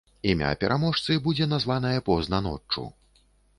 Імя пераможцы будзе названае позна ноччу.